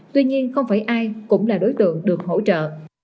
tuy nhiên không phải ai cũng là đối tượng được hỗ trợ